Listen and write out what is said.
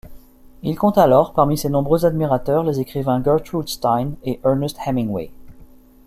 Il compte alors, parmi ses nombreux admirateurs, les écrivains Gertrude Stein et Ernest Hemingway.